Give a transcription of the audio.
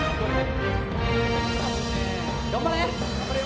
頑張れ！